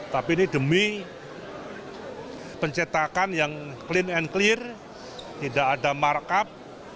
tapi ini demi pencetakan yang clean and clear tidak ada markup